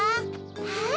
はい！